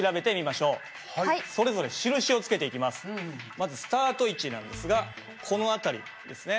まずスタート位置なんですがこの辺りですね。